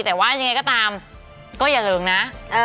แต่ว่ายังไงก็ตามก็อย่าลืมนะ